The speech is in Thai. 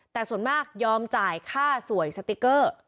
แต่ส่วนมากยอมจ่ายค่าสวยสติ๊กเกอร์